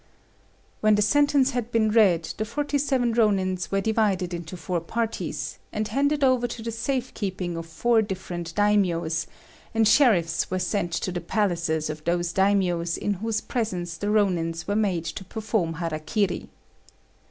When the sentence had been read, the forty seven Rônins were divided into four parties, and handed over to the safe keeping of four different daimios; and sheriffs were sent to the palaces of those daimios in whose presence the Rônins were made to perform hara kiri.